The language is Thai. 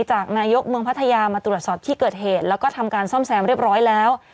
จากนายกเมืองพัทยามาตรวจสอบที่เกิดเหตุแล้วก็ทำการซ่อมแซมเรียบร้อยแล้ว